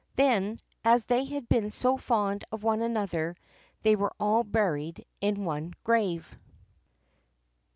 Then, as they had been so fond of one another, they were all buried in one grave.